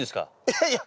いやいや。